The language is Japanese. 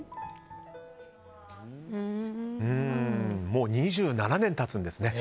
もう２７年経つんですね。